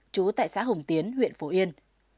chú tại xã hùng tiến huyện phổ yên